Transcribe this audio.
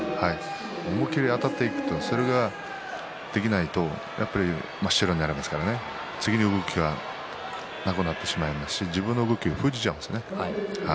思い切りあたっていくとそれができないと真っ白になりますから次の動きがなくなってしまいますし自分の動きを封じちゃうんですね。